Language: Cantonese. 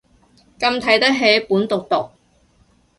咁睇得起本毒毒